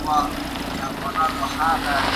سياستپوهنه د حکومتونو څارنه کوي.